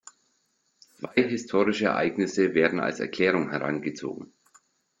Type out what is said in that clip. Zwei historische Ereignisse werden als Erklärung herangezogen.